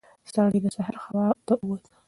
سړی د سهار هوا ته ووت.